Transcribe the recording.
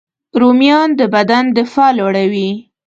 رومیان د بدن دفاع لوړوي